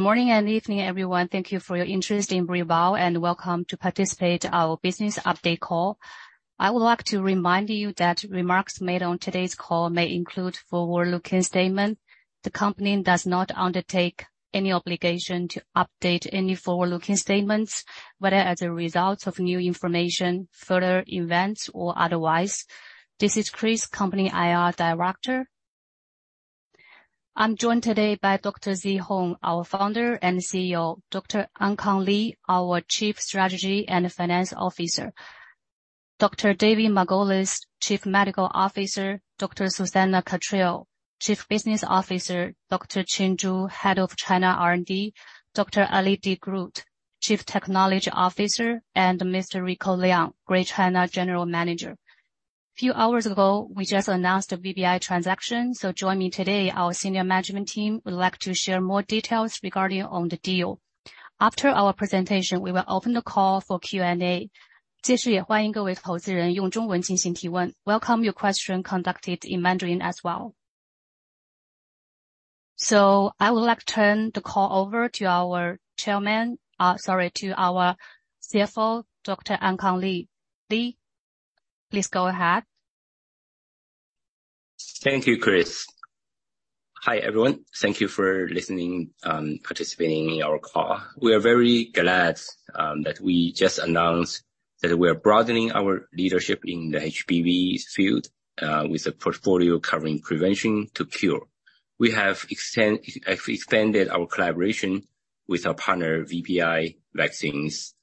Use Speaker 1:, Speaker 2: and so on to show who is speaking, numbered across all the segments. Speaker 1: Morning and evening, everyone. Thank you for your interest in Brii Bio, and welcome to participate our business update call. I would like to remind you that remarks made on today's call may include forward-looking statements. The company does not undertake any obligation to update any forward-looking statements, whether as a result of new information, further events, or otherwise. This is Chris, Company IR Director. I'm joined today by Dr. Zhi Hong, our Founder and CEO; Dr. Ankang Li, our Chief Strategy and Finance Officer; Dr. David Margolis, Chief Medical Officer; Dr. Susannah Cantrell, Chief Business Officer; Dr. Qing Zhu, Head of China R&D; Dr. Ellee de Groot, Chief Technology Officer; and Mr. Rico Liang, Greater China General Manager. A few hours ago, we just announced a VBI transaction, so joining me today, our senior management team would like to share more details regarding on the deal. After our presentation, we will open the call for Q&A. Welcome your question, conducted in Mandarin as well. I would like to turn the call over to our chairman, sorry, to our CFO, Dr. Ankang Li. Li, please go ahead.
Speaker 2: Thank you, Chris Fang. Hi, everyone. Thank you for listening and participating in our call. We are very glad that we just announced that we are broadening our leadership in the HBV field with a portfolio covering prevention to cure. We have extended our collaboration with our partner, VBI Vaccines.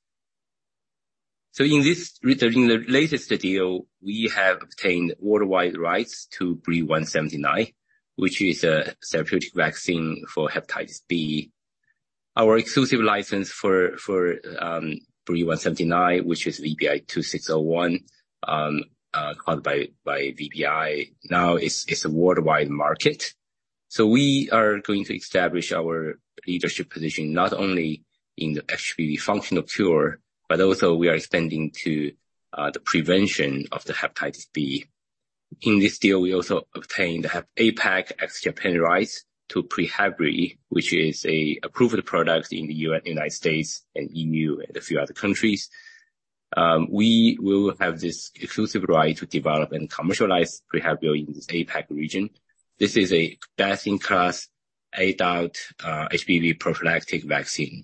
Speaker 2: In this return, in the latest deal, we have obtained worldwide rights to BRII-179, which is a therapeutic vaccine for hepatitis B. Our exclusive license for BRII-179, which is VBI-2601, acquired by VBI, now is a worldwide market. We are going to establish our leadership position, not only in the HBV functional cure, but also we are extending to the prevention of the hepatitis B. In this deal, we also obtained the APAC ex-Japan rights to PreHevbri, which is a approved product in the United States and EU and a few other countries. We will have this exclusive right to develop and commercialize PreHevbrio in the APAC region. This is a best-in-class adult HBV prophylactic vaccine.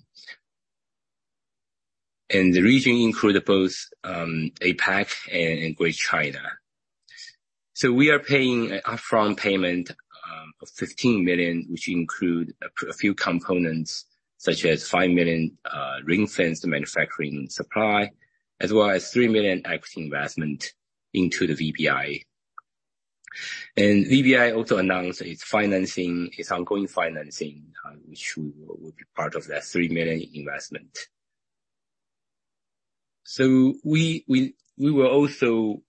Speaker 2: The region include both APAC and Greater China. We are paying an upfront payment of $15 million, which include a few components, such as $5 million ring-fenced manufacturing supply, as well as $3 million equity investment into the VBI. VBI also announced its financing, its ongoing financing, which will be part of that $3 million investment. We will also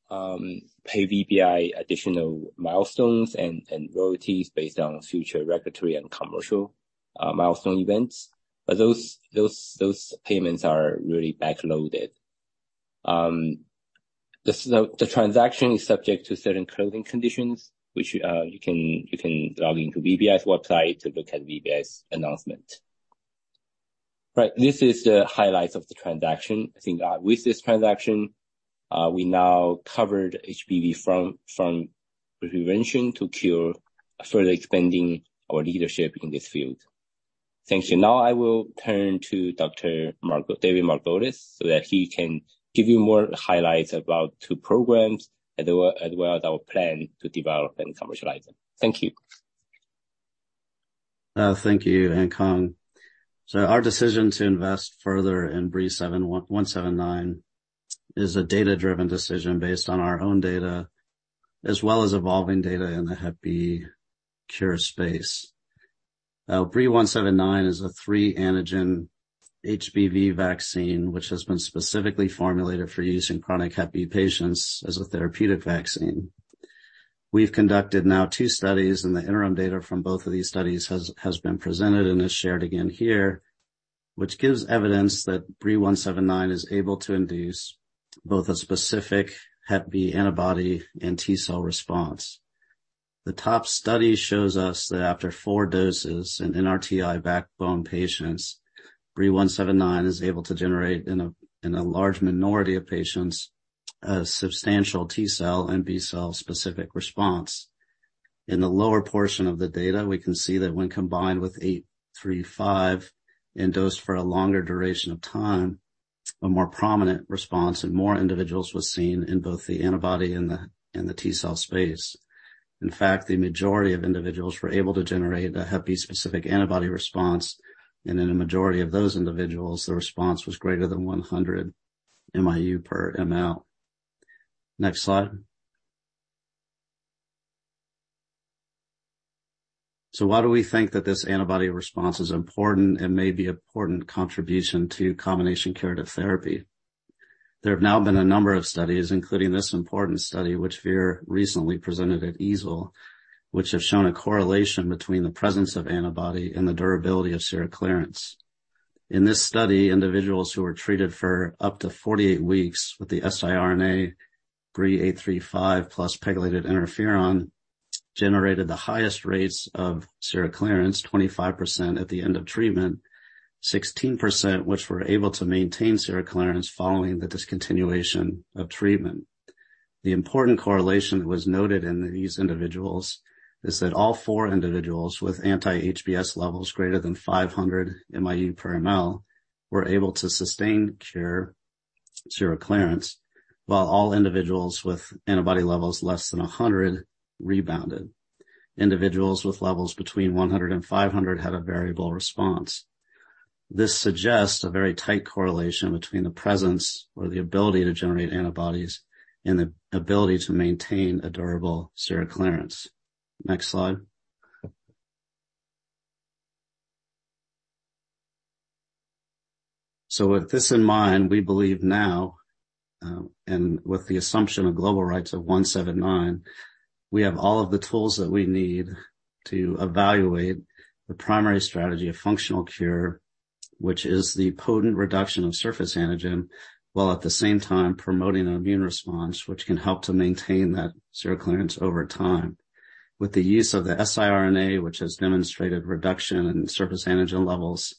Speaker 2: pay VBI additional milestones and royalties based on future regulatory and commercial milestone events. Those payments are really backloaded. The transaction is subject to certain closing conditions, which, you can log into VBI's website to look at VBI's announcement. This is the highlights of the transaction. I think, with this transaction, we now covered HBV from prevention to cure, further expanding our leadership in this field. Thank you. I will turn to Dr. David Margolis, so that he can give you more highlights about two programs, as well as our plan to develop and commercialize them. Thank you.
Speaker 3: Thank you, Ankang. Our decision to invest further in BRII-179 is a data-driven decision based on our own data, as well as evolving data in the hep B cure space. BRII-179 is a 3-antigen HBV vaccine, which has been specifically formulated for use in chronic hep B patients as a therapeutic vaccine. We've conducted now two studies, and the interim data from both of these studies has been presented and is shared again here, which gives evidence that BRII-179 is able to induce both a specific hep B antibody and T cell response. The top study shows us that after four doses in NRTI backbone patients, BRII-179 is able to generate, in a large minority of patients, a substantial T cell and B cell-specific response. In the lower portion of the data, we can see that when combined with 835, and dosed for a longer duration of time, a more prominent response in more individuals was seen in both the antibody and the, and the T cell space. In fact, the majority of individuals were able to generate an HBV-specific antibody response, and in a majority of those individuals, the response was greater than 100 mIU/mL. Next slide. Why do we think that this antibody response is important and may be an important contribution to combination curative therapy? There have now been a number of studies, including this important study, which we recently presented at EASL, which have shown a correlation between the presence of antibody and the durability of seroclearance. In this study, individuals who were treated for up to 48 weeks with the siRNA BRII-835 plus pegylated interferon generated the highest rates of seroclearance, 25% at the end of treatment, 16% which were able to maintain seroclearance following the discontinuation of treatment. The important correlation that was noted in these individuals is that all four individuals with anti-HBs levels greater than 500 mIU/mL were able to sustain cure seroclearance, while all individuals with antibody levels less than 100 rebounded. Individuals with levels between 100 and 500 had a variable response. This suggests a very tight correlation between the presence or the ability to generate antibodies and the ability to maintain a durable seroclearance. Next slide. With this in mind, we believe now, and with the assumption of global rights of BRII-179, we have all of the tools that we need to evaluate the primary strategy of functional cure, which is the potent reduction of surface antigen, while at the same time promoting an immune response, which can help to maintain that seroclearance over time. With the use of the siRNA, which has demonstrated reduction in surface antigen levels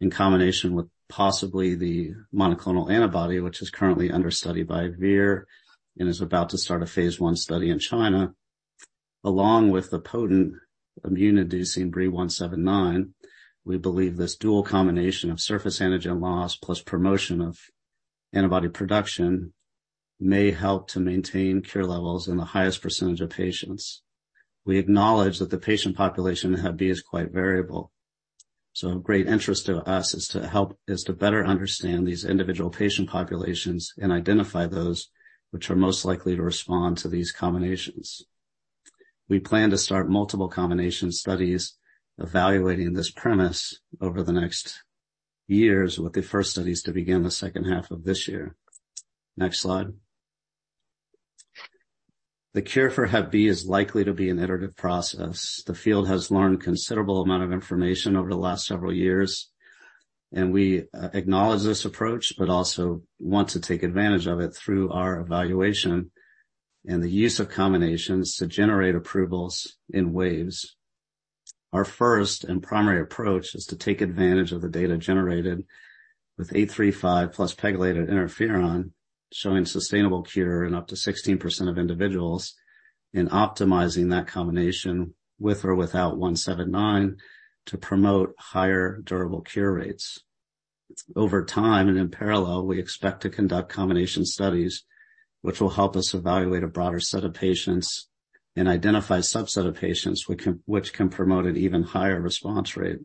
Speaker 3: in combination with possibly the monoclonal antibody, which is currently under study by Vir and is about to start a phase I study in China, along with the potent immune-inducing BRII-179, we believe this dual combination of surface antigen loss plus promotion of antibody production may help to maintain cure levels in the highest percentage of patients. We acknowledge that the patient population in HBV is quite variable, of great interest to us is to better understand these individual patient populations and identify those which are most likely to respond to these combinations. We plan to start multiple combination studies evaluating this premise over the next years, with the first studies to begin the second half of this year. Next slide. The cure for HBV is likely to be an iterative process. The field has learned a considerable amount of information over the last several years, we acknowledge this approach but also want to take advantage of it through our evaluation and the use of combinations to generate approvals in waves. Our first and primary approach is to take advantage of the data generated with BRII-835 plus pegylated interferon, showing sustainable cure in up to 16% of individuals in optimizing that combination, with or without BRII-179, to promote higher durable cure rates. In parallel, we expect to conduct combination studies, which will help us evaluate a broader set of patients and identify a subset of patients which can promote an even higher response rate,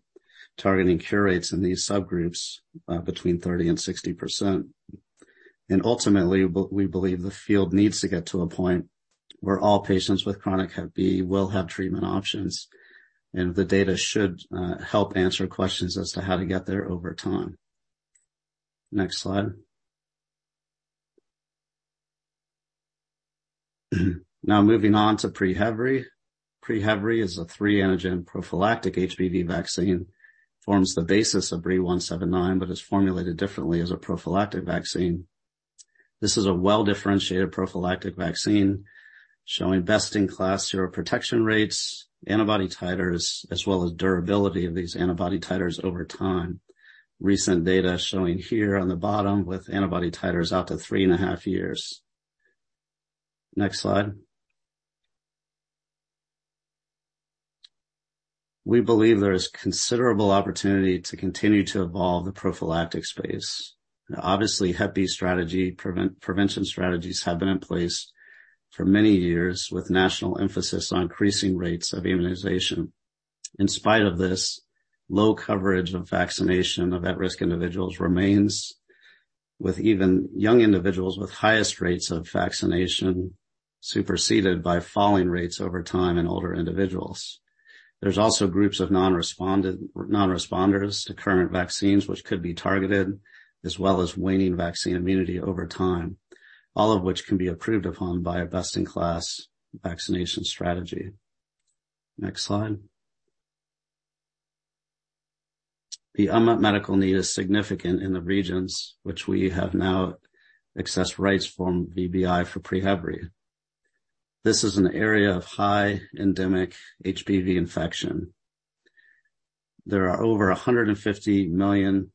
Speaker 3: targeting cure rates in these subgroups, between 30% and 60%. Ultimately, we believe the field needs to get to a point where all patients with chronic hep B will have treatment options, and the data should help answer questions as to how to get there over time. Next slide. Now, moving on to PreHevbri. PreHevbri is a three antigen prophylactic HBV vaccine, forms the basis of BRII-179, but is formulated differently as a prophylactic vaccine. This is a well-differentiated prophylactic vaccine showing best-in-class seroprotection rates, antibody titers, as well as durability of these antibody titers over time. Recent data showing here on the bottom with antibody titers out to 3 and a half years. Next slide. We believe there is considerable opportunity to continue to evolve the prophylactic space. Obviously, hep B strategy, prevention strategies have been in place for many years, with national emphasis on increasing rates of immunization. In spite of this, low coverage of vaccination of at-risk individuals remains, with even young individuals with highest rates of vaccination superseded by falling rates over time in older individuals. There's also groups of non-responders to current vaccines which could be targeted, as well as waning vaccine immunity over time, all of which can be improved upon by a best-in-class vaccination strategy. Next slide. The unmet medical need is significant in the regions which we have now accessed rights from VBI for PreHevbri. This is an area of high endemic HBV infection. There are over 150 million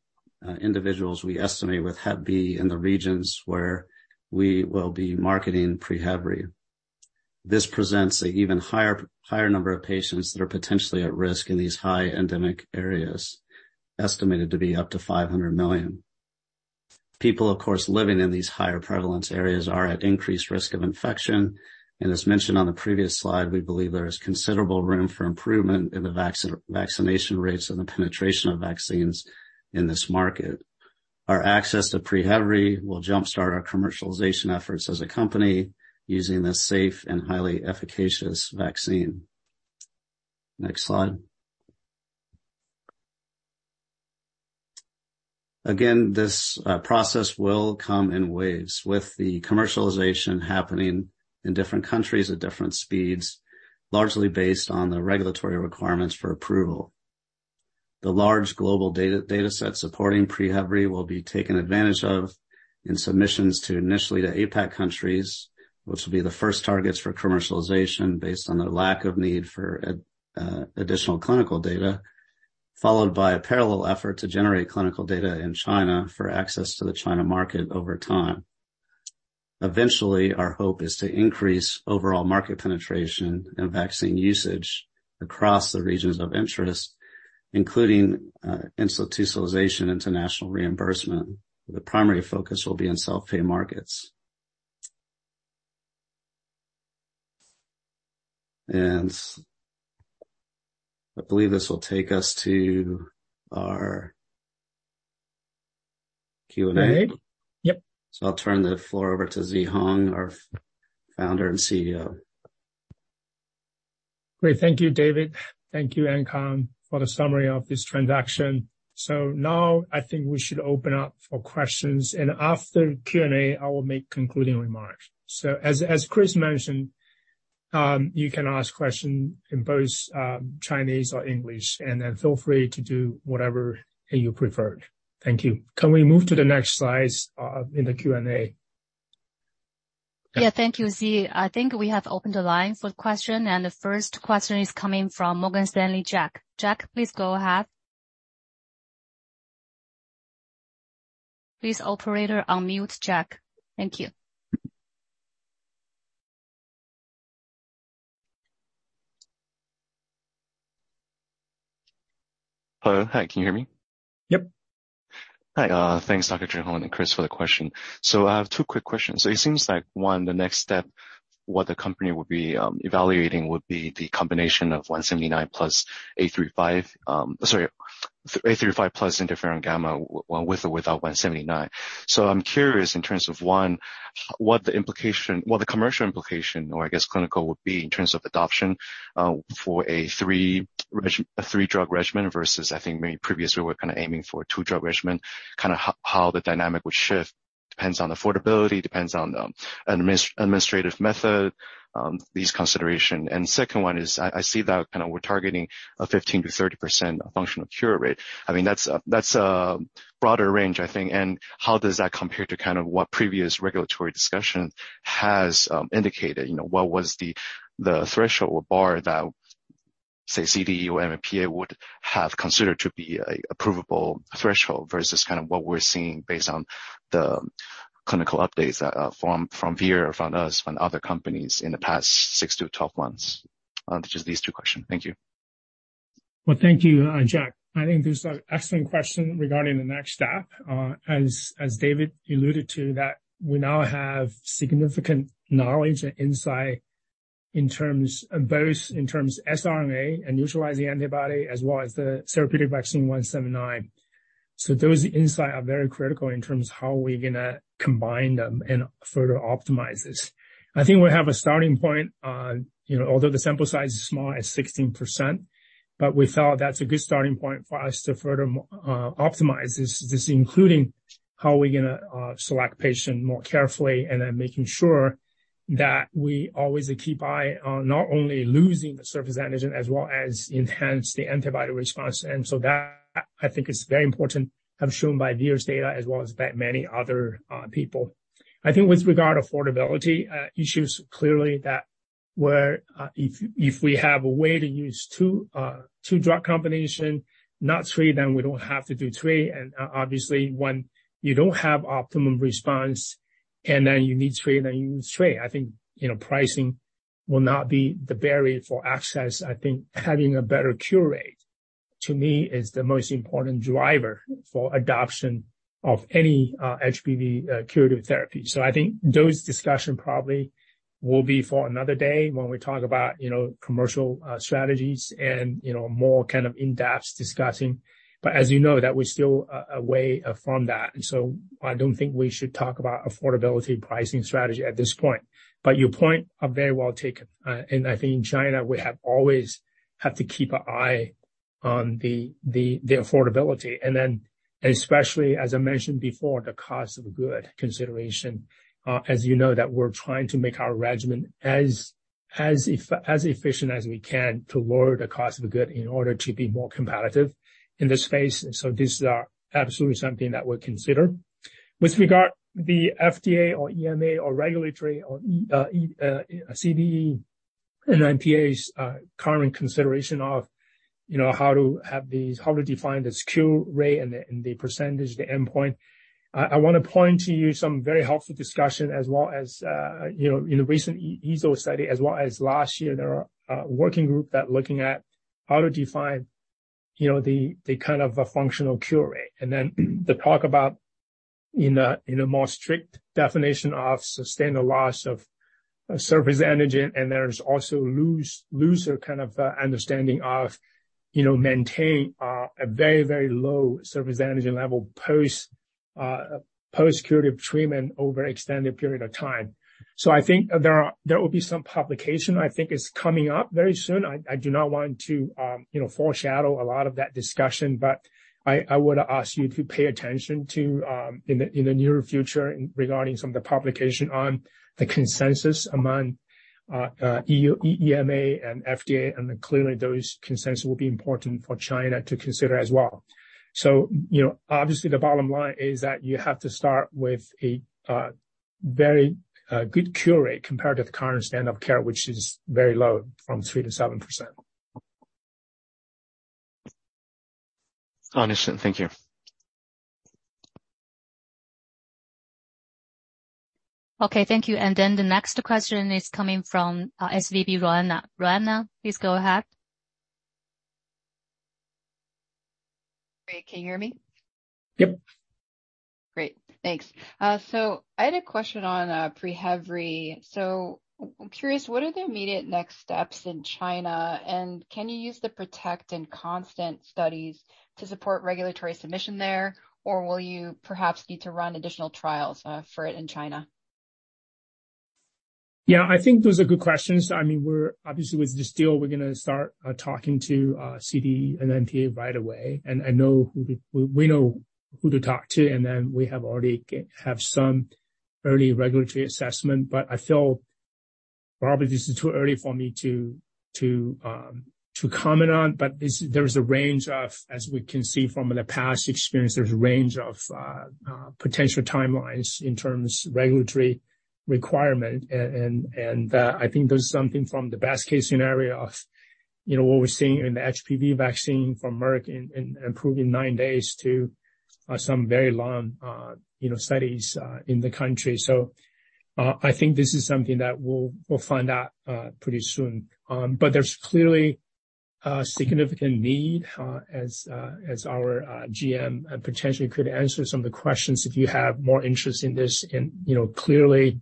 Speaker 3: individuals we estimate with hep B in the regions where we will be marketing PreHevbri. This presents an even higher number of patients that are potentially at risk in these high endemic areas, estimated to be up to 500 million. People, of course, living in these higher prevalence areas are at increased risk of infection. As mentioned on the previous slide, we believe there is considerable room for improvement in the vaccination rates and the penetration of vaccines in this market. Our access to PreHevbri will jumpstart our commercialization efforts as a company using this safe and highly efficacious vaccine. Next slide. This process will come in waves, with the commercialization happening in different countries at different speeds, largely based on the regulatory requirements for approval. The large global data set supporting PreHevbri will be taken advantage of in submissions to initially the APAC countries, which will be the first targets for commercialization based on the lack of need for additional clinical data, followed by a parallel effort to generate clinical data in China for access to the China market over time. Eventually, our hope is to increase overall market penetration and vaccine usage across the regions of interest, including, institutionalization into national reimbursement. The primary focus will be on self-pay markets. I believe this will take us to our Q&A.
Speaker 4: Right. Yep.
Speaker 3: I'll turn the floor over to Zhi Hong, our founder and CEO.
Speaker 4: Great. Thank you, David. Thank you, Ankang, for the summary of this transaction. Now I think we should open up for questions, and after Q&A, I will make concluding remarks. As Chris mentioned, you can ask questions in both Chinese or English. Feel free to do whatever you preferred. Thank you. Can we move to the next slides in the Q&A?
Speaker 1: Yeah. Thank you, Zhi. I think we have opened the line for question, and the first question is coming from Morgan Stanley, Jack. Jack, please go ahead. Please, operator, unmute Jack. Thank you.
Speaker 5: Hello. Hi, can you hear me?
Speaker 4: Yep.
Speaker 5: Hi, thanks, Dr. Zhi Hong and Chris for the question. I have two quick questions. It seems like, one, the next step, what the company will be evaluating would be the combination of BRII-179 plus BRII-835. Sorry, BRII-835 plus interferon-gamma, with or without BRII-179. I'm curious in terms of, one, what the implication. What the commercial implication, or I guess clinical, would be in terms of adoption for a three-drug regimen versus, I think, maybe previously we were kind of aiming for a two-drug regimen. Kind of how the dynamic would shift. Depends on affordability, depends on the administrative method, these consideration. Second one is, I see that kind of we're targeting a 15%-30% functional cure rate. I mean, that's a broader range, I think. How does that compare to kind of what previous regulatory discussion has indicated? You know, what was the threshold or bar that, say, CDE or NMPA would have considered to be a approvable threshold versus kind of what we're seeing based on the clinical updates that from Vir or from us and other companies in the past six-12 months? Just these two questions. Thank you.
Speaker 4: Well, thank you, Jack. I think those are excellent question regarding the next step. As David alluded to, that we now have significant knowledge and insight in terms of both, in terms of siRNA and neutralizing antibody, as well as the therapeutic vaccine 179. Those insight are very critical in terms of how we're gonna combine them and further optimize this. I think we have a starting point on, you know, although the sample size is small, at 16%, but we feel that's a good starting point for us to further optimize this, including how we're gonna select patient more carefully and then making sure that we always keep eye on not only losing the surface antigen, as well as enhance the antibody response. That, I think it's very important, shown by Vir's data as well as by many other people. I think with regard affordability issues, clearly that where, if we have a way to use two-drug combination, not three, then we don't have to do three. Obviously, when you don't have optimum response and then you need three, then you use three. I think, you know, pricing will not be the barrier for access. I think having a better cure rate, to me, is the most important driver for adoption of any HBV curative therapy. I think those discussion probably will be for another day when we talk about, you know, commercial strategies and, you know, more kind of in-depth discussing. As you know, that we're still a way from that. I don't think we should talk about affordability pricing strategy at this point. Your point are very well taken, and I think in China, we have always have to keep an eye on the, the affordability, and then especially, as I mentioned before, the cost of good consideration. As you know, that we're trying to make our regimen as efficient as we can to lower the cost of the good in order to be more competitive in this space. These are absolutely something that we're considering. With regard the FDA or EMA or regulatory or CDE and NMPA's current consideration of, you know, how to have these, how to define the cure rate and the percentage, the endpoint, I want to point to you some very helpful discussion as well as, you know, in the recent ENSURE study, as well as last year, there are a working group that looking at how to define, you know, the kind of a functional cure rate. The talk about in a more strict definition of sustained a loss of surface antigen, and there's also looser kind of understanding of, you know, maintain a very, very low surface antigen level post post-curative treatment over extended period of time. I think there are, there will be some publication, I think is coming up very soon. I do not want to, you know, foreshadow a lot of that discussion, but I would ask you to pay attention to in the near future regarding some of the publication on the consensus among EU- EMA and FDA, and then clearly those consensus will be important for China to consider as well. You know, obviously, the bottom line is that you have to start with a very good cure rate compared to the current standard of care, which is very low, from 3%-7%. Understood. Thank you.
Speaker 1: Okay, thank you. The next question is coming from SVB Roanna. Roanna, please go ahead.
Speaker 6: Great. Can you hear me?
Speaker 4: Yep.
Speaker 6: Great, thanks. I had a question on PreHevbri. I'm curious, what are the immediate next steps in China, and can you use the PROTECT and CONSTANT studies to support regulatory submission there, or will you perhaps need to run additional trials for it in China?
Speaker 4: Yeah, I think those are good questions. I mean, we're obviously with this deal, we're going to start talking to CDE and NMPA right away, and I know who we know who to talk to, and then we have already have some early regulatory assessment. I feel, Barbara, this is too early for me to comment on. This, there is a range of, as we can see from the past experience, there's a range of potential timelines in terms of regulatory requirement. I think there's something from the best case scenario of, you know, what we're seeing in the HBV vaccine from Merck and improving 9 days to some very long, you know, studies in the country. I think this is something that we'll find out pretty soon. There's clearly a significant need, as our GM potentially could answer some of the questions if you have more interest in this. You know, clearly,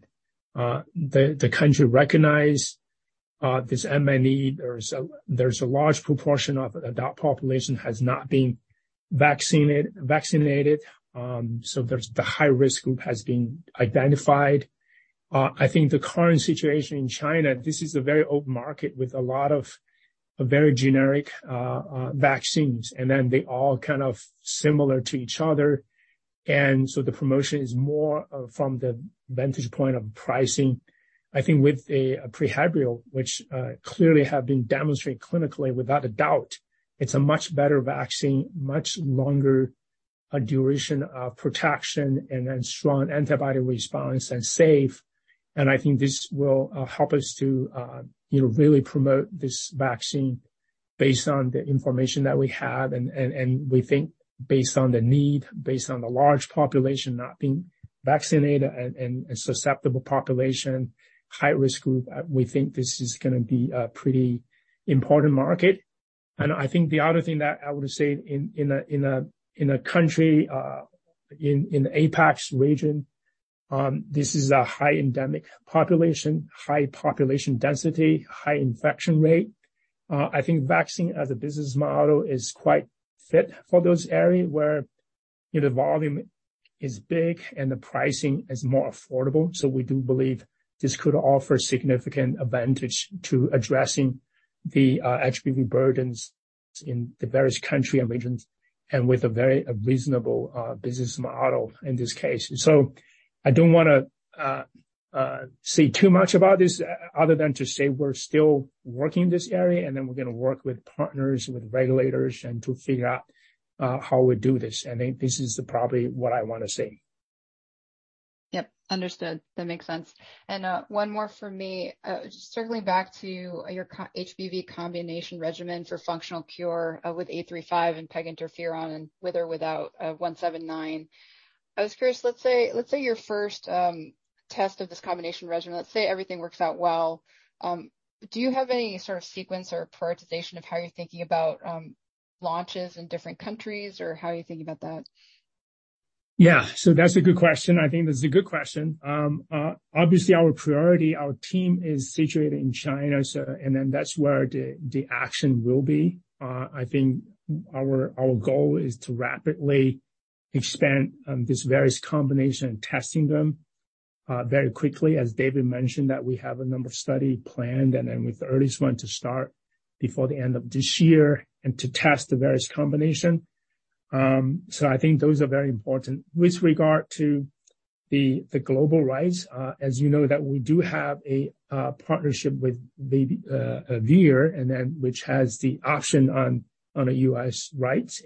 Speaker 4: the country recognize this mRNA need. There's a large proportion of adult population has not been vaccinated, so there's the high-risk group has been identified. I think the current situation in China, this is a very open market with a lot of, very generic, vaccines, and then they all kind of similar to each other. The promotion is more from the vantage point of pricing. I think with a PreHevbrio, which clearly have been demonstrated clinically, without a doubt, it's a much better vaccine, much longer duration of protection and a strong antibody response and safe. I think this will help us to, you know, really promote this vaccine based on the information that we have. We think based on the need, based on the large population not being vaccinated and susceptible population, high-risk group, we think this is going to be a pretty important market. I think the other thing that I would say in a country, in APAC region, this is a high endemic population, high population density, high infection rate. I think vaccine as a business model is quite fit for those areas where, you know, the volume is big and the pricing is more affordable. We do believe this could offer significant advantage to addressing the HBV burdens in the various country and regions and with a very reasonable business model in this case. I don't want to say too much about this, other than to say we're still working this area, and then we're going to work with partners, with regulators and to figure out how we do this. This is probably what I want to say.
Speaker 6: Yep, understood. That makes sense. One more for me. Just circling back to your HBV combination regimen for functional cure, with A-35 and PEG interferon and with or without 179. I was curious, let's say your first test of this combination regimen, let's say everything works out well. Do you have any sort of sequence or prioritization of how you're thinking about launches in different countries, or how are you thinking about that?
Speaker 4: That's a good question. I think that's a good question. Obviously, our priority, our team is situated in China, that's where the action will be. I think our goal is to rapidly expand these various combination, testing them very quickly. As David mentioned, that we have a number of study planned, with the earliest one to start before the end of this year and to test the various combination. I think those are very important. With regard to the global rights, as you know, that we do have a partnership with the Vir, which has the option on a U.S. rights.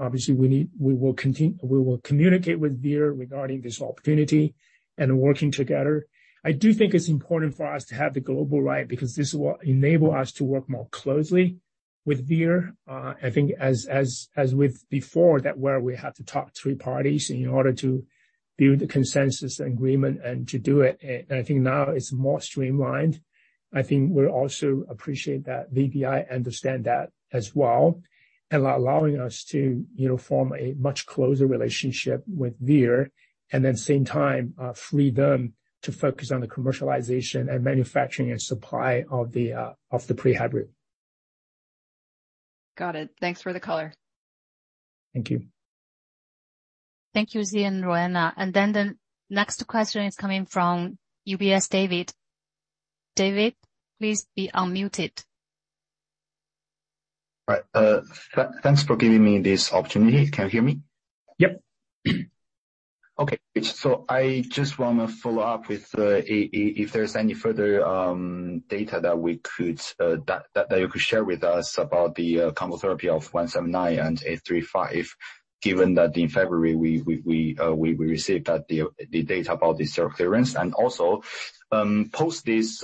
Speaker 4: Obviously we need, we will communicate with Vir regarding this opportunity and working together. I do think it's important for us to have the global right, because this will enable us to work more closely with Vir. I think as with before, that where we had to talk three parties in order to build a consensus agreement and to do it, and I think now it's more streamlined. I think we'll also appreciate that VBI understand that as well, and allowing us to, you know, form a much closer relationship with Vir, and then same time, free them to focus on the commercialization and manufacturing and supply of the PreHevbrio.
Speaker 6: Got it. Thanks for the color.
Speaker 4: Thank you.
Speaker 1: Thank you, Zhi and Roanna. The next question is coming from UBS, David. David, please be unmuted.
Speaker 7: Right. Thanks for giving me this opportunity. Can you hear me?
Speaker 4: Yep.
Speaker 7: I just want to follow up with if there's any further data that you could share with us about the combo therapy of BRII-179 and BRII-835, given that in February, we received that the data about this clearance. Also, post this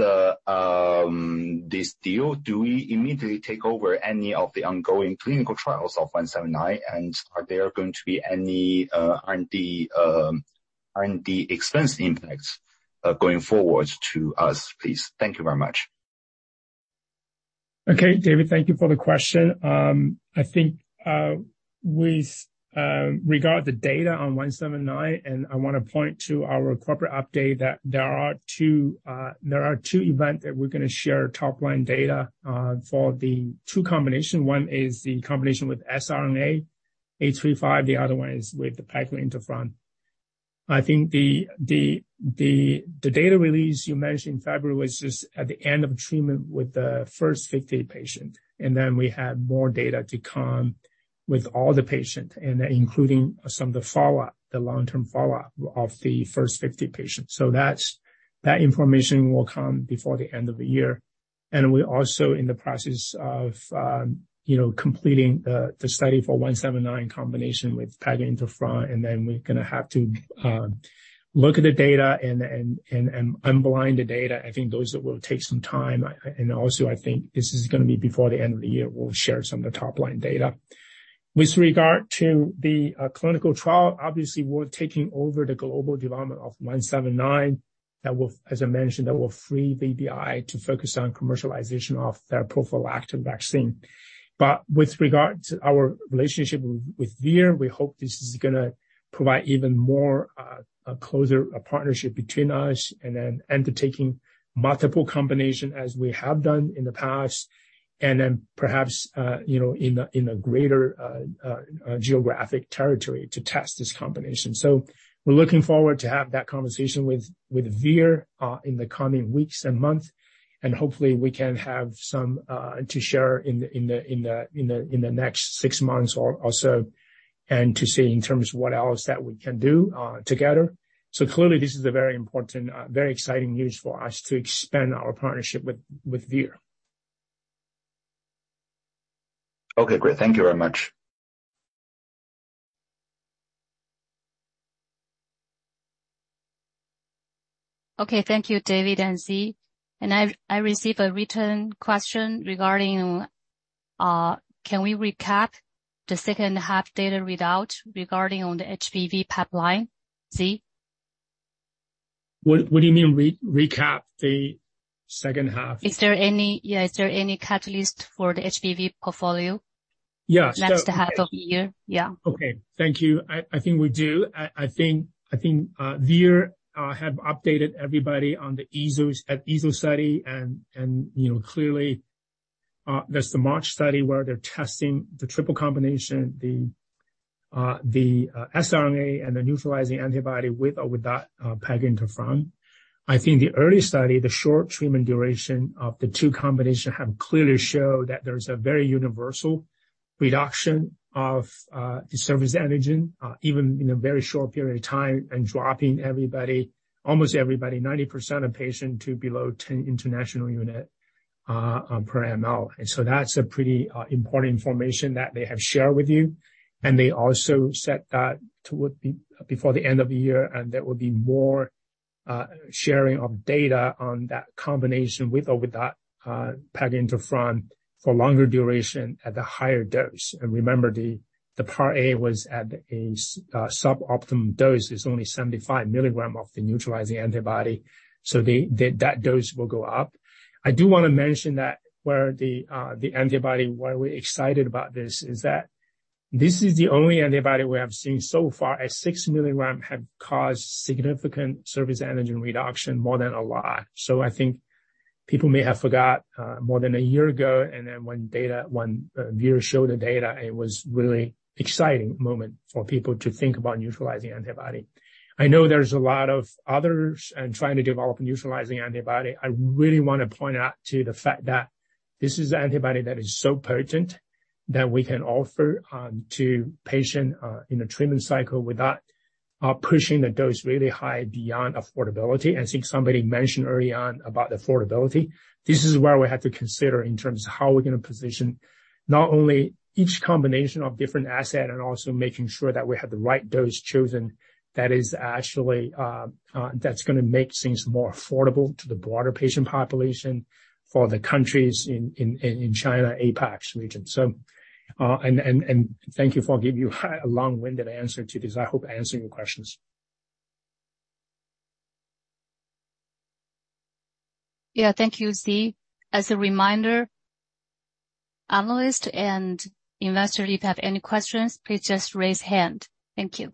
Speaker 7: deal, do we immediately take over any of the ongoing clinical trials of BRII-179? Are there going to be any and the expense impacts, going forward to us, please? Thank you very much.
Speaker 4: Okay, David, thank you for the question. I think with regard the data on BRII-179, and I want to point to our corporate update, that there are two events that we're going to share top line data for the two combination. One is the combination with siRNA, BRII-835. The other one is with the peg interferon. I think the data release you mentioned in February was just at the end of treatment with the first 50 patients, and then we had more data to come with all the patients and including some of the follow-up, the long-term follow-up of the first 50 patients. That information will come before the end of the year. We're also in the process of, you know, completing the study for BRII-179 combination with PEG-IFN. Then we're going to have to look at the data and unblind the data. I think those that will take some time. Also, I think this is going to be before the end of the year, we'll share some of the top line data. With regard to the clinical trial. Obviously, we're taking over the global development of BRII-179. That will, as I mentioned, that will free VBI to focus on commercialization of their prophylactic vaccine. With regard to our relationship with Vir, we hope this is going to provide even more, a closer partnership between us undertaking multiple combination, as we have done in the past, and perhaps, you know, in a greater geographic territory to test this combination. We're looking forward to have that conversation with Vir in the coming weeks and months. Hopefully we can have some to share in the next six months or also, and to see in terms of what else that we can do together. Clearly, this is a very important, very exciting news for us to expand our partnership with Vir.
Speaker 7: Okay, great. Thank you very much.
Speaker 1: Okay, thank you, David and Zhi. I received a written question regarding, can we recap the second half data readout regarding on the HBV pipeline? Zhi?
Speaker 4: What do you mean, recap the second half?
Speaker 1: Is there any, yeah, is there any catalyst for the HBV portfolio.
Speaker 4: Yeah.
Speaker 1: Next half of the year? Yeah.
Speaker 4: Okay. Thank you. I think we do. I think, I think Vir have updated everybody on the EASL at EASL study. you know, clearly, there's the MARCH study where they're testing the triple combination, the siRNA and the neutralizing antibody with or without peg interferon. I think the early study, the short treatment duration of the two combination, have clearly showed that there's a very universal reduction of the surface antigen, even in a very short period of time, and dropping everybody, almost everybody, 90% of patients to below 10 international unit per mL. that's a pretty important information that they have shared with you. They also said that towards the, before the end of the year, there will be more sharing of data on that combination with or without peg interferon for longer duration at the higher dose. Remember, the part A was at a suboptimal dose, is only 75 mg of the neutralizing antibody, so that dose will go up. I do want to mention that where the antibody, why we're excited about this, is that this is the only antibody we have seen so far, at 6 mg, have caused significant surface antigen reduction, more than a lot. I think people may have forgot more than a year ago. When data, when Vir showed the data, it was really exciting moment for people to think about neutralizing antibody. I know there's a lot of others and trying to develop neutralizing antibody. I really want to point out to the fact that this is the antibody that is so potent that we can offer to patient in a treatment cycle without pushing the dose really high beyond affordability. I think somebody mentioned early on about affordability. This is where we have to consider in terms of how we're going to position not only each combination of different asset, and also making sure that we have the right dose chosen that is actually that's going to make things more affordable to the broader patient population for the countries in China, APAC region. Thank you for giving you a long-winded answer to this. I hope I answered your questions.
Speaker 1: Yeah. Thank you, Zhi. As a reminder, analyst and investor, if you have any questions, please just raise hand. Thank you.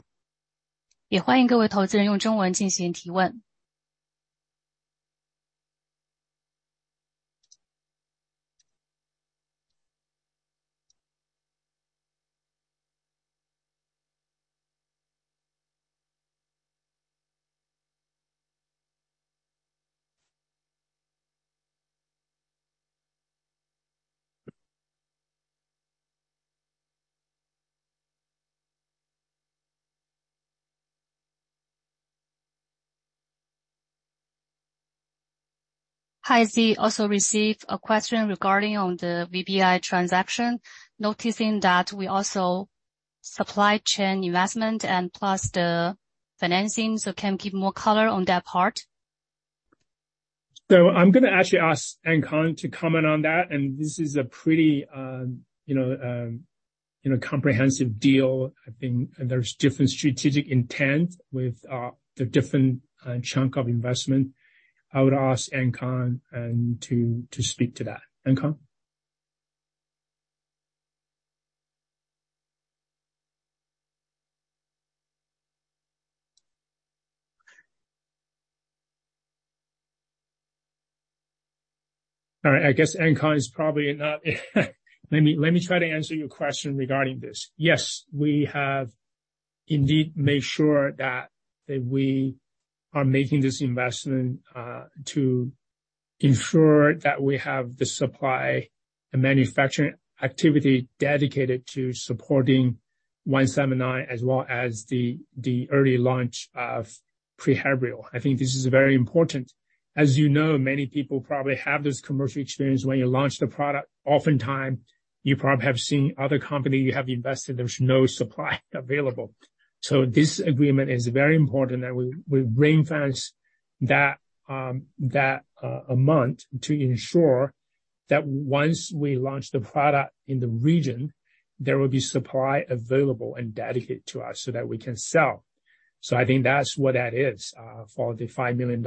Speaker 1: Hi, Zhi also received a question regarding on the VBI transaction, noticing that we also supply chain investment and plus the financing. Can you give more color on that part?
Speaker 4: I'm gonna actually ask Ankang to comment on that. This is a pretty, you know, you know, comprehensive deal. I think there's different strategic intent with the different chunk of investment. I would ask Ankang to speak to that. Ankang? I guess Ankang is probably not let me try to answer your question regarding this. We have indeed made sure that we are making this investment, to ensure that we have the supply and manufacturing activity dedicated to supporting 179, as well as the early launch of PreHevbri. I think this is very important. As you know, many people probably have this commercial experience when you launch the product, oftentimes, you probably have seen other company you have invested, there's no supply available. This agreement is very important, and we bring finance that amount to ensure that once we launch the product in the region, there will be supply available and dedicated to us so that we can sell. I think that's what that is for the $5 million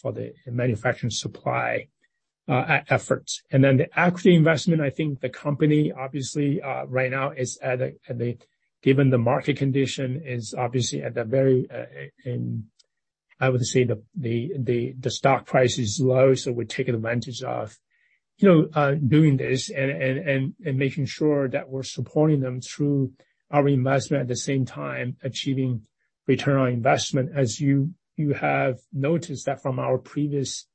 Speaker 4: for the manufacturing supply efforts. The equity investment, I think the company obviously, right now given the market condition, is obviously at a very, I would say, stock price is low, so we're taking advantage of, you know, doing this and making sure that we're supporting them through our investment, at the same time, achieving return on investment. As you have noticed that from our previous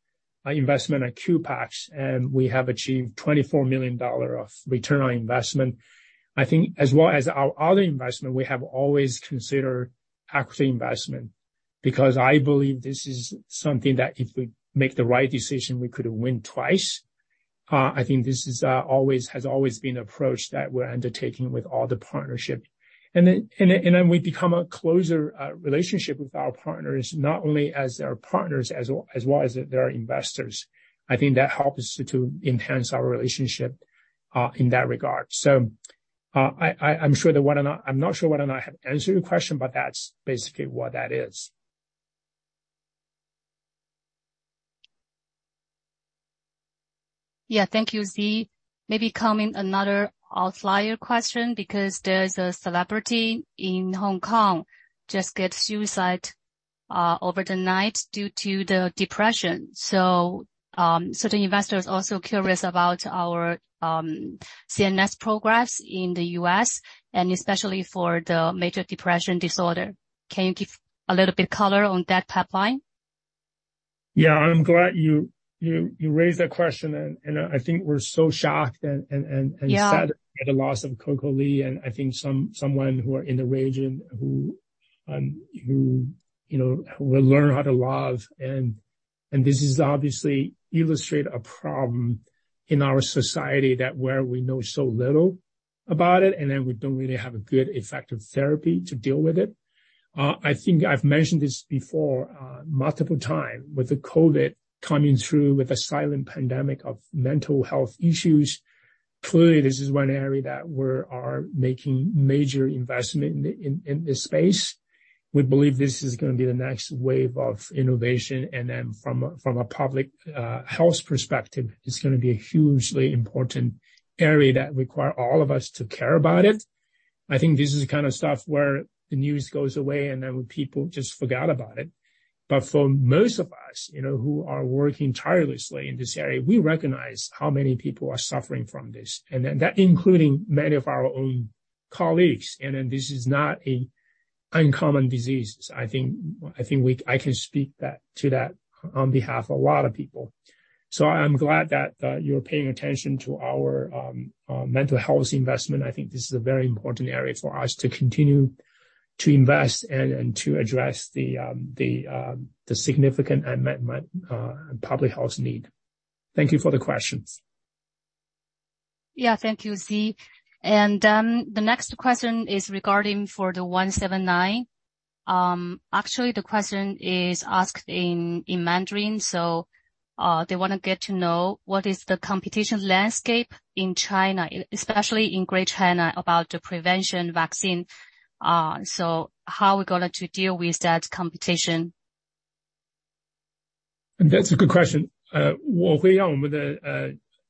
Speaker 4: investment at Qpex, and we have achieved $24 million of return on investment. I think as well as our other investment, we have always considered equity investment, because I believe this is something that if we make the right decision, we could win twice. I think this is always, has always been approach that we're undertaking with all the partnerships. We become a closer relationship with our partners, not only as their partners, as well as their investors. I think that helps to enhance our relationship in that regard. I'm sure that whether or not. I'm not sure whether or not I have answered your question, but that's basically what that is.
Speaker 1: Yeah, thank you, Zhi. Maybe coming another outlier question, because there is a celebrity in Hong Kong, just get suicide, over the night due to the depression. The investor is also curious about our CNS progress in the U.S., and especially for the major depressive disorder. Can you give a little bit color on that pipeline?
Speaker 4: Yeah, I'm glad you raised that question, and I think we're so shocked.
Speaker 1: Yeah.
Speaker 4: sad at the loss of Coco Lee. I think someone who are in the region, who, you know, will learn how to love. This is obviously illustrate a problem in our society, that where we know so little about it, and then we don't really have a good effective therapy to deal with it. I think I've mentioned this before, multiple time, with the COVID coming through, with a silent pandemic of mental health issues, clearly, this is one area that we are making major investment in this space. We believe this is gonna be the next wave of innovation. From a public health perspective, it's gonna be a hugely important area that require all of us to care about it. I think this is the kind of stuff where the news goes away. People just forgot about it. For most of us, you know, who are working tirelessly in this area, we recognize how many people are suffering from this, that including many of our own colleagues. This is not an uncommon disease. I think I can speak to that on behalf of a lot of people. I'm glad that you're paying attention to our mental health investment. I think this is a very important area for us to continue to invest and to address the significant unmet public health need. Thank you for the questions.
Speaker 1: Yeah, thank you, Zhi. The next question is regarding for the 179. Actually, the question is asked in Mandarin, they wanna get to know what is the competition landscape in China, especially in Greater China, about the prevention vaccine. How are we going to deal with that competition?
Speaker 4: That's a good question.
Speaker 8: 3个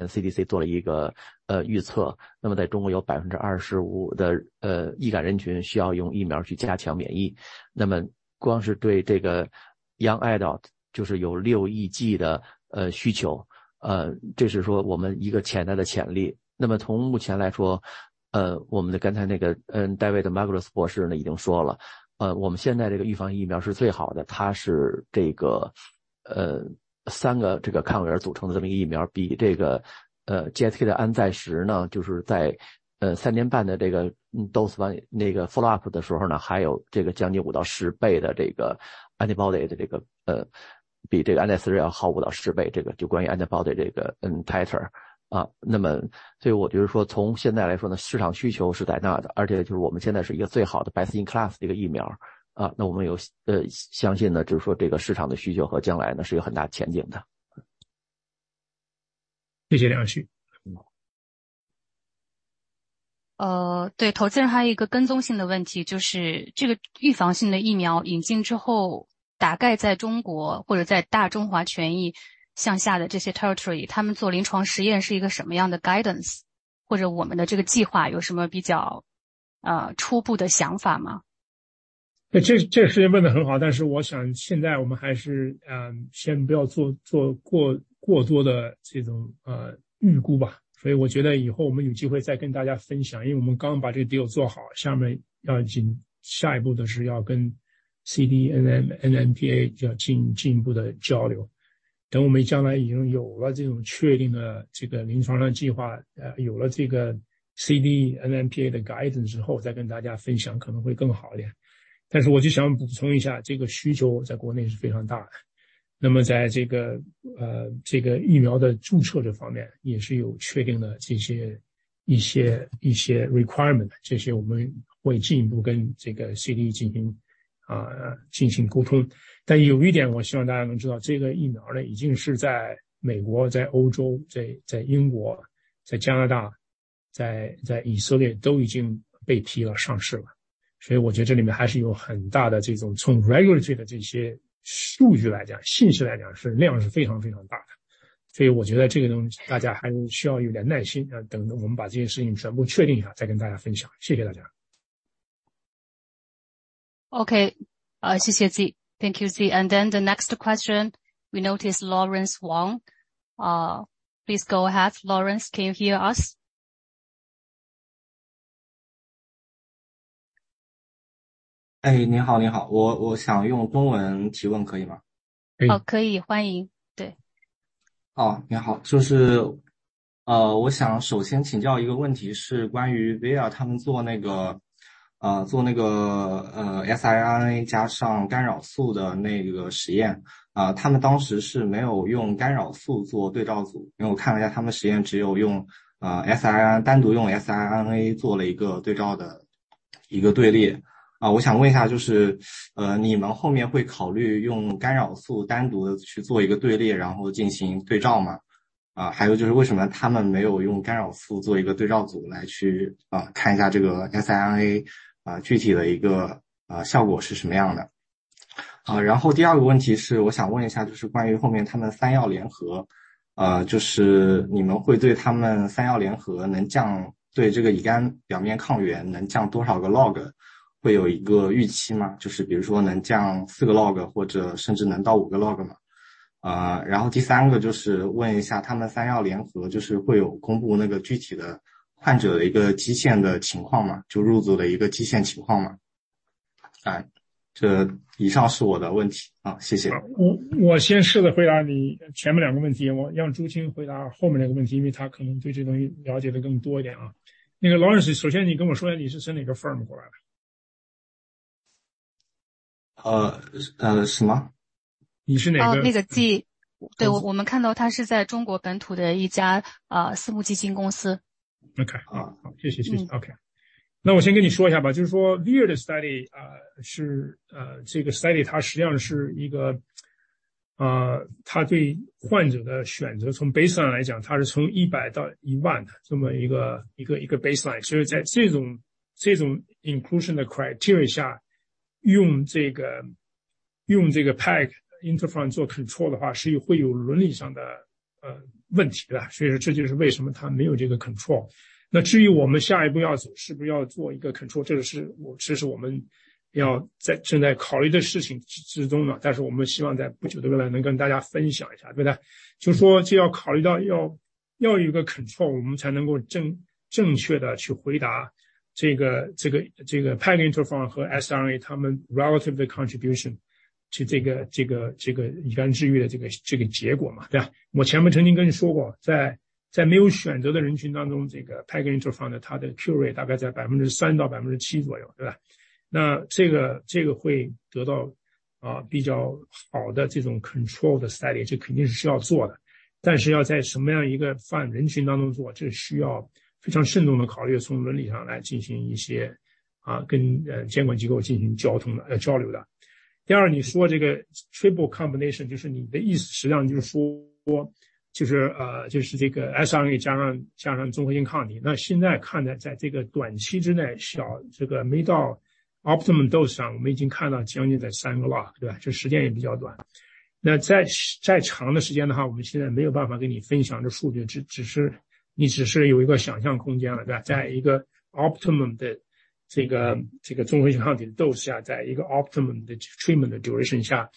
Speaker 8: 这个抗原组成的这个疫 苗， 比这个 GSK 的安在时 呢， 就是在于 3.5 年的这个 dose 那个 follow up 的时候 呢， 还有这个将近 5-10 倍的这个 antibody 的这 个， 比这个安在时要好 5-10 倍， 这个就关于 antibody 这 个， title。我就是说从现在来说 呢， 市场需求是在那 的， 而且就是我们现在是一个最好的白丝巾 class 的一个疫苗，那我们 有， 相信 呢， 就是说这个市场的需求和将来 呢， 是有很大前景的。
Speaker 4: 谢谢梁旭。
Speaker 1: 呃， 对， 投资人还有一个跟踪性的问 题， 就是这个预防性的疫苗引进之 后， 大概在中国或者在大中华权益向下的这些 territory， 他们做临床试验是一个什么样的 guidance， 或者我们的这个计划有什么比 较， 呃， 初步的想法吗？
Speaker 4: 这， 这个问题问得很 好， 但是我想现在我们还 是， 呃， 先不要 做， 做 过， 过多的这种 呃， 预估吧。所以我觉得以后我们有机会再跟大家分 享， 因为我们刚刚把这个 deal 做 好， 下面要进下一步的是要跟 CDE/NMPA 要进进一步的交 流， 等我们将来已经有了这种确定的这个临床的计 划， 有了这个 NMPA 的 guidance 之 后， 再跟大家分享可能会更好一点。但是我就想补充一 下， 这个需求在国内是非常大 的， 那么在这 个， 呃， 这个疫苗的注册这方面也是有确定 的， 这些一 些， 一些 requirement， 这些我们会进一步跟这个 CD 进 行， 呃， 进行沟通。但有一点我希望大家能知 道， 这个疫苗 呢， 已经是在美国、在欧洲、在， 在英国、在加拿大、在， 在以色列都已经被批了上市了，所以我觉得这里面还是有很大的这 种， 从 regulate 的这些数据来 讲， 信息来 讲， 是量是非常非常大 的， 所以我觉得这个东西大家还是需要有点耐 心， 要等着我们把这些事情全部确定一 下， 再跟大家分享。谢谢大家。
Speaker 1: OK, 谢谢 Zhi, thank you Zhi. The next question we notice Lawrence Wang, please go ahead. Lawrence can you hear us?
Speaker 9: 哎， 你 好， 你 好， 我， 我想用中文提 问， 可以 吗？
Speaker 1: 哦， 可 以， 欢 迎， 对。
Speaker 9: 你好，我 想首先请教一个问 题， 是关于 Vir 他们做那个 siRNA 加上 interferon 的那个实 验， 他们当时是没有用 interferon 做对照 组， 因为我看了一 下， 他们实验只有用 siRNA， 单独用 siRNA 做了一个对照的一个队列。我想问一 下， 你们后面会考虑用 interferon 单独的去做一个队 列， 然后进行对照 吗？ 还有就是为什么他们没有用 interferon 做一个对照组来去看一下这个 siRNA 具体的一个效果是什么样的。然后第二个问题是我想问一 下， 关于后面他们 triple combination， 你们会对他们 triple combination 能 降， 对这个 hepatitis B surface antigen 能降多少个 log， 会有一个预期 吗？ 比如说能降4 log， 或者甚至能到5 log 吗？ 然后第三个问一下他们 triple combination 会有公布那个具体的患者的一个基线的情况 吗？ 入组的一个基线情况 吗？ 这以上是我的问 题， 谢谢。
Speaker 4: 我先试着回答你前面2个问 题， 我让 Qing Zhu 回答后面那个问 题， 因为他可能对这东西了解得更多一点。Lawrence， 首先你跟我说一 下， 你是从哪个 firm 过来的？ 呃， 什 么？ 你是哪 个?
Speaker 1: 那个 Z， 对， 我们看到他是在中国本土的一 家， 私募基金公司。
Speaker 4: OK, 好, 谢谢. OK, 我先跟你说一下吧, 就是说 Vir 的 study, 是, 这个 study, 它实际上是一个, 它对患者的选择, 从 baseline 来讲, 它是从 100到 10,000 这么一个 baseline. 所以在这种 inclusion criteria 下, 用这个 PEG-IFN 做 control 的话, 是会有伦理上的问题. 这就是为什么它没有这个 control. 那至于我们下一步要走, 是不是要做一个 control, 这个是其实我们正在考虑的事情之中呢, 但是我们希望在不久的未来能跟大家分享一下, 对 吧? 就是说这要考虑到要有一个 control, 我们才能够正确地去回答这个 PEG-IFN 和 siRNA 他们 relative contribution 去这个乙肝治愈的这个 结果嘛, 对 吧? 我前面曾经跟你说过, 在没有选择的人群当中, 这个 PEG-IFN 的它的 cure rate 大概在 3% 到 7% 左右, 对 吧? 这个会得到比较好的这种 control study, 这肯定是需要做的, 但是要在什么样一个范人群当中做, 这需要非常慎重地考虑, 从伦理上来进行一些, 跟监管机构进行交通, 交流的. 你说这个 triple combination, 就是你的意思, 实际上就是说, 就是这个 siRNA 加上综合抗 体. 那现在看的在这个短期之内是要这个没到 optimum dose 上, 我们已经看到将近在 3个 log, 对 吧? 这时间也比较短. 那在长的时间的话, 我们现在没有办法跟你分享这数据, 只是你只是有一个想象空间了, 在一个 optimum 的这个综合抗体的 dose 下, 在一个 optimum 的 treatment duration 下,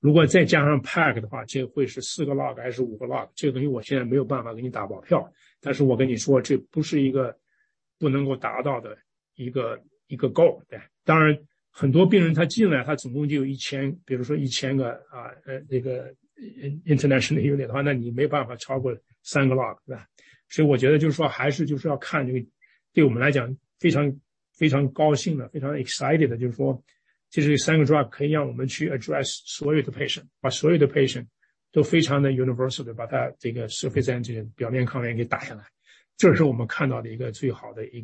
Speaker 4: 如果再加上 PEG-IFN 的话, 这会是 4个 log 还是 5个 log, 这个东西我现在没有办法给你打包票, 但是我跟你说, 这不是一个. 不能够达到的一个 goal. 很多病人他进 来， 他总共就有 1,000， 比如说 1,000 个 international unit 的 话， 那你没办法超过3个 lock， 对吧?我觉得就是说还是就是要 看， 这个对我们来讲非常非常高兴 的， 非常 excited 的， 就是说其实这3个 drug 可以让我们去 address 所有的 patient， 把所有的 patient 都非常的 universally， 把他这个 surface antigen 表面抗原给打下 来， 这是我们看到的一个最好的一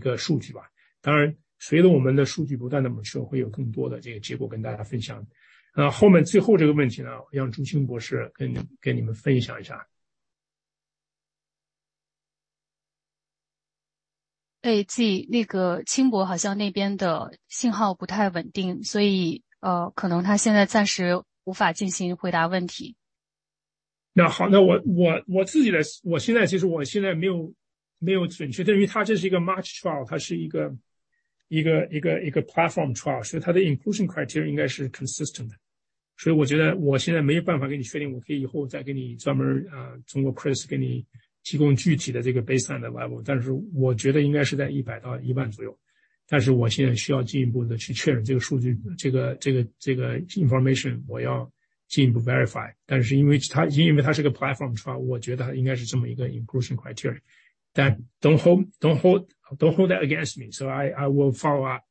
Speaker 4: 个数据吧。随着我们的数据不断的成 熟， 会有更多的这个结果跟大家分享。后面最后这个问题 呢， 我让 Dr. Qing Zhu 跟给你们分享一下。
Speaker 1: 季， 那个 Dr. Qing 好像那边的信号不太稳 定， 可能他现在暂时无法进行回答问题。
Speaker 4: 那 好， 那 我， 我， 我自己 的， 我现在其实我现在没 有， 没有准 确， 对于它这是一个 MARCH study， 它是一 个， 一 个， 一 个， 一个 platform trial， 所以它的 inclusion criteria 应该是 consistent。我觉得我现在没有办法给你确 定， 我可以以后再给你专 门， 通过 Chris 给你提供具体的这个 baseline 的 level， 但是我觉得应该是在100到 10,000 左 右， 但是我现在需要进一步的去确认这个数 据， 这 个， 这 个， 这个 information， 我要进一步 verify， 但是因为 它， 因为它是一个 platform trial， 我觉得它应该是这么一个 inclusion criteria。Don't hold that against me. I will follow up,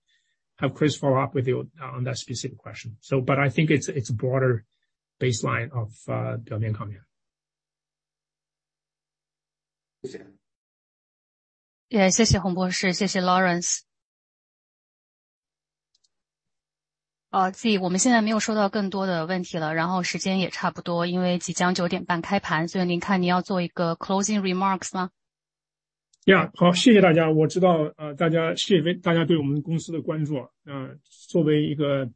Speaker 4: have Chris follow up with you on that specific question. I think it's broader baseline of 表面抗原。
Speaker 1: 谢谢洪博 士， 谢谢 Lawrence。呃， 季， 我们现在没有收到更多的问题 了， 然后时间也差不 多， 因为即将九点半开 盘， 所以您看您要做一个 closing remarks 吗？
Speaker 4: Yeah, 好, 谢谢 大家. 我 知道, 大家谢谢大家对我们公司的 关注. 作为一个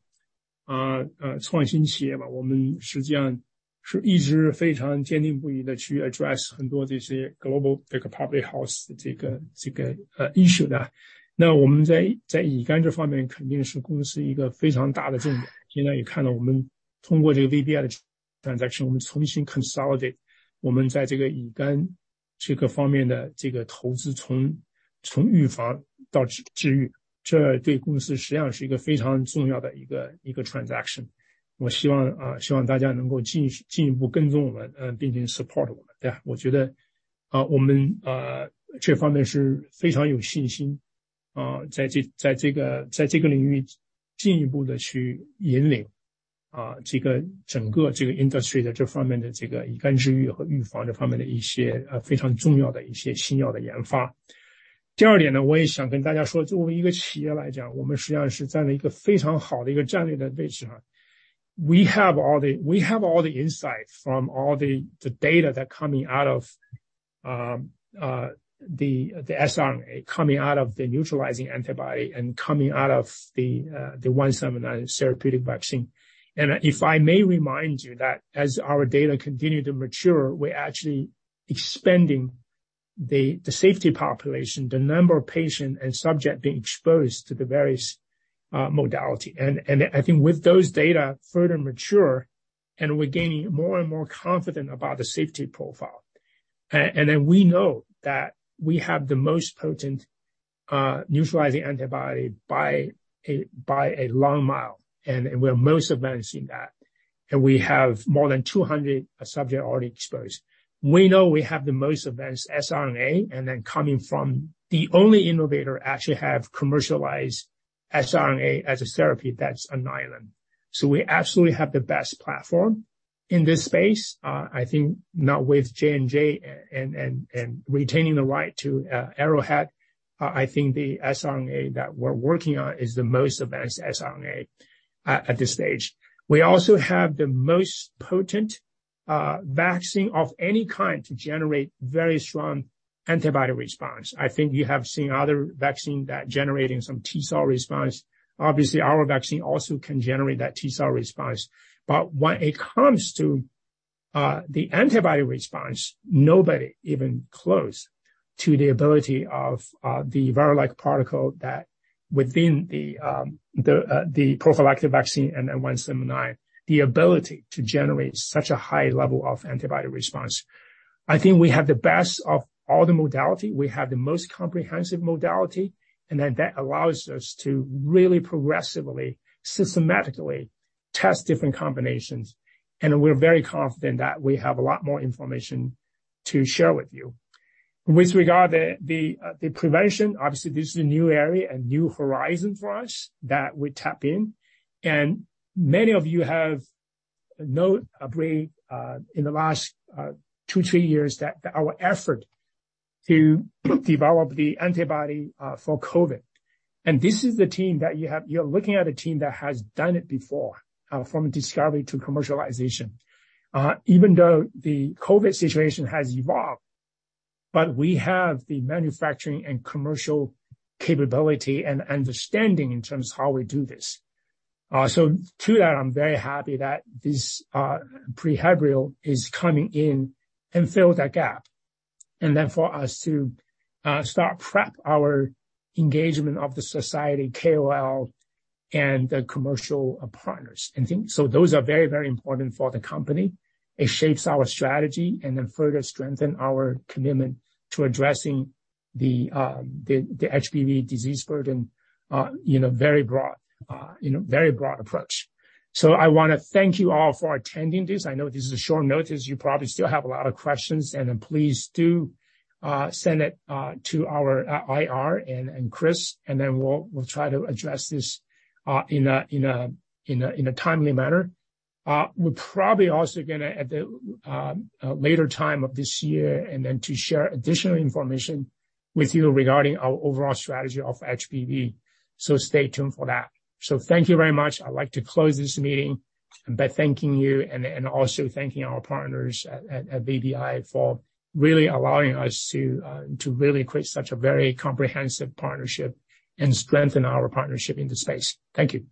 Speaker 4: 创新企业 吧, 我们实际上是一直非常坚定不移地去 address 很多这些 global like public health 这个 issue. 我们在乙肝这方面肯定是公司一个非常大的 重点, 现在也看到我们通过这个 VBI, 但其实我们重新 consolidate, 我们在这个乙肝这个方面的这个 投资, 从预防到 治愈, 这对公司实际上是一个非常重要的一个 transaction. 我希望大家能够继续进一步跟踪 我们, 并且 support 我们, 我觉得我们这方面是非常有信心在这个领域进一步地去引领这个整个 industry 的这方面的这个乙肝治愈和预防这方面的一些非常重要的一些新药的 研发. 第二 点, 我也想跟大家 说, 作为一个企业来 讲, 我们实际上是站在一个非常好的一个战略的位置 上. We have all the insight from all the data that coming out of the mRNA, coming out of the neutralizing antibody and coming out of the 179 therapeutic vaccine. If I may remind you that as our data continue to mature, we actually expanding the safety population, the number of patients and subjects being exposed to the various modality. I think with those data further mature and we're gaining more and more confidence about the safety profile, then we know that we have the most potent neutralizing antibody by a long mile, and we're most advancing that. We have more than 200 subjects already exposed. We know we have the most advanced mRNA, then coming from the only innovator actually have commercialized mRNA as a therapy that's Arcturus. We absolutely have the best platform in this space. I think not with J&J and retaining the right to Arrowhead, I think the mRNA that we're working on is the most advanced mRNA at this stage. We also have the most potent vaccine of any kind to generate very strong antibody response. I think you have seen other vaccines that generating some T cell response. Obviously our vaccine also can generate that T cell response, when it comes to the antibody response, nobody even close to the ability of the virus-like particle that within the prophylactic vaccine and then 179, the ability to generate such a high level of antibody response. I think we have the best of all the modalities, we have the most comprehensive modalities, then that allows us to really, progressively, systematically test different combinations, and we're very confident that we have a lot more information to share with you. With regard the prevention, obviously this is a new area and new horizon for us that we tap in. Many of you have noted in the last two, three years that our effort to develop the antibody for COVID, this is the team that you're looking at, a team that has done it before, from discovery to commercialization. Even though the COVID situation has evolved, we have the manufacturing and commercial capability and understanding in terms of how we do this. To that, I'm very happy that this PreHevbri is coming in and fill that gap, then for us to start prep our engagement of the society, KOL and the commercial partners and things. Those are very important for the company. It shapes our strategy then further strengthen our commitment to addressing the HBV disease burden, you know, very broad, you know, very broad approach. I want to thank you all for attending this. I know this is a short notice. You probably still have a lot of questions, then please do send it to our IR and Chris, then we'll try to address this in a timely manner. We're probably also going to at the later time of this year, then to share additional information with you regarding our overall strategy of HBV. Stay tuned for that. Thank you very much! I'd like to close this meeting by thanking you and also thanking our partners at VBI, for really allowing us to create such a very comprehensive partnership and strengthen our partnership in the space. Thank you.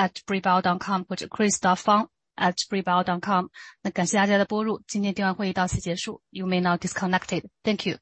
Speaker 1: 好 的，感谢 C 的结束 remarks。各位投资人，如果您有后续的问题，欢迎直接微信联系我，或者给我们的 IR email 写组邮件，IR@briibio.com 或者 Chris.fang@briibio.com。感谢大家的拨入，今天电话会议到此结束。You may now disconnected. Thank you.